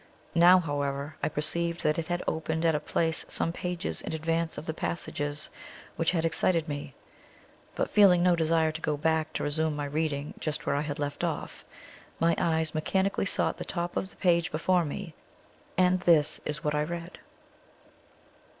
Now, however, I perceived that it had opened at a place some pages in advance of the passages which had excited me; but, feeling no desire to go back to resume my reading just where I had left off, my eyes mechanically sought the top of the page before me, and this is what I read